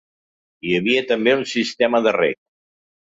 Hi havia també un sistema de reg.